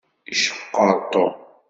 Iceqqeṛ Tom.